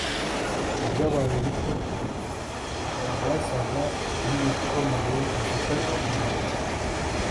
Ibyabaye bito byasaga nkibikomeye bifite akamaro